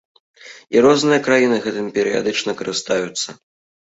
І розныя краіны гэтым перыядычна карыстаюцца.